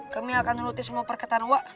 kami akan menuruti semua perkataan wak